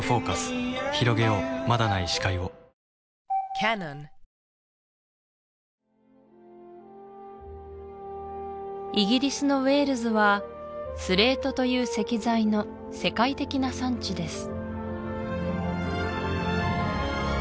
まだない視界をイギリスのウェールズはスレートという石材の世界的な産地です